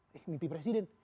wah mimpi presiden